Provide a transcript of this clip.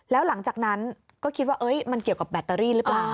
แล้วหลังจากนั้นก็คิดว่ามันเกี่ยวกับแบตเตอรี่หรือเปล่า